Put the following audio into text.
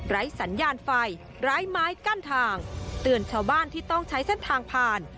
สัญญาณไฟไร้ไม้กั้นทางเตือนชาวบ้านที่ต้องใช้เส้นทางผ่าน